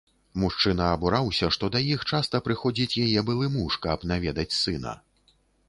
Мужчына абураўся, што да іх часта прыходзіць яе былы муж, каб наведаць сына.